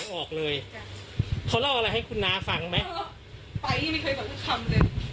วันหวยออกเลยค่ะเขาเล่าอะไรให้คุณนาฟังไหมเออไปไม่เคยบอกทุกคำเลย